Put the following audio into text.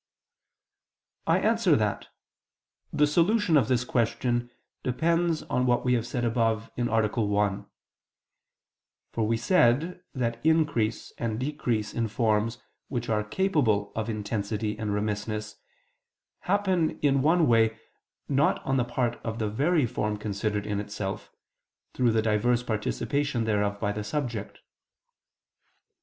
I answer that, The solution of this question depends on what we have said above (A. 1). For we said that increase and decrease in forms which are capable of intensity and remissness, happen in one way not on the part of the very form considered in itself, through the diverse participation thereof by the subject.